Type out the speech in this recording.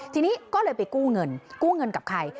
ทีนี้ก็เลยไปกู้เงินกู้เงินกับใคร